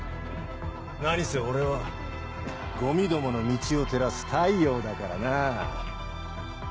何せ俺はゴミどもの道を照らす太陽だからなぁ。